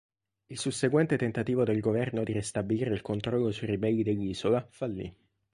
Il susseguente tentativo del governo di ristabilire il controllo sui ribelli dell'isola fallì.